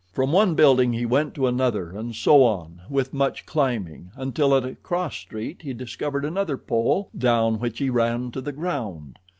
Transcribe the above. From one building he went to another, and so on, with much climbing, until at a cross street he discovered another pole, down which he ran to the ground.